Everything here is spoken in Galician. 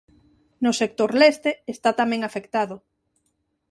No sector leste está tamén afectado.